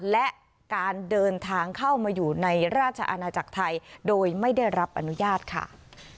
และการเดินทางเข้ามาอยู่ในราชอาณาจักรไทยโดยไม่ได้รับอนุญาตค่ะ